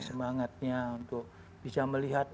semangatnya untuk bisa melihat